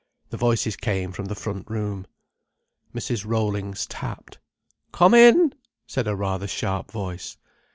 The voices came from the front room. Mrs. Rollings tapped. "Come in!" said a rather sharp voice.